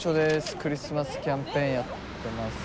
クリスマスキャンペーンやってます。